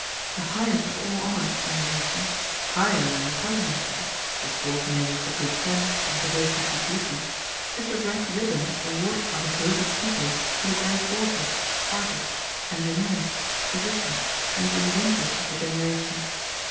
The highest of all honors in the nation, higher than the presidency, which calls merely for good sense and devotion to duty, is the red ribbon awarded by the vote of the people to the great authors, artists, engineers, physicians, and inventors of the generation.